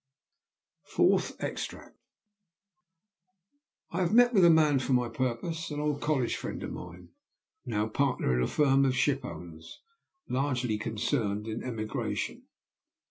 FOURTH EXTRACT. "I have met with the man for my purpose an old college friend of mine, now partner in a firm of ship owners, largely concerned in emigration.